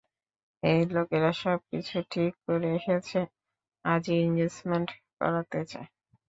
এই লোকেরা সবকিছু ঠিক করে এসেছে, আজই এন্গেজমেন্ট করাতে চায়!